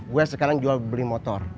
gue sekarang jual beli motor